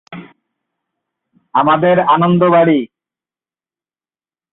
যেমন "আমাদের আনন্দ বাড়ি"।